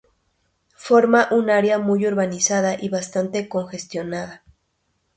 Forma un área muy urbanizada y bastante congestionada.